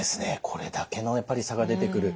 これだけのやっぱり差が出てくる。